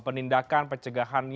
perangkap yang terjadi di negara ini